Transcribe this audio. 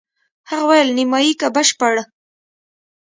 هغه وویل: نیمایي که بشپړ؟